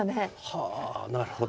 はあなるほど。